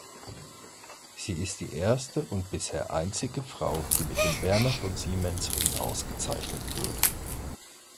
Sie ist die erste und bisher einzige Frau, die mit dem Werner-von-Siemens-Ring ausgezeichnet wurde.